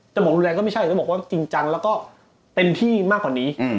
หมดรุนแรงก็ไม่ใช่ต้องบอกว่าจริงจังแล้วก็เต็มที่มากกว่านี้